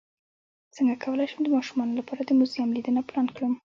څنګه کولی شم د ماشومانو لپاره د موزیم لیدنه پلان کړم